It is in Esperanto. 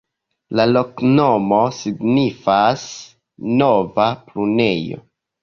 La loknomo signifas: nova-prunejo.